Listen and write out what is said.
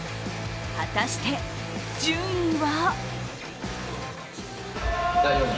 果たして順位は？